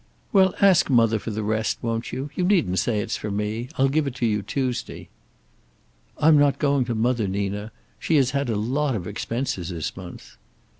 "Well, ask mother for the rest, won't you? You needn't say it's for me. I'll give it to you Tuesday." "I'm not going to mother, Nina. She has had a lot of expenses this month."